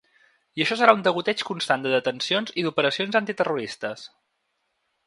I això serà un degoteig constant de detencions i d’operacions antiterroristes.